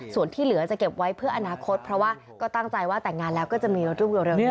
ส่วนที่เหลือจะเก็บไว้เพื่ออนาคตเพราะว่าก็ตั้งใจว่าแต่งงานแล้วก็จะมีรถรุ่งเร็วขึ้น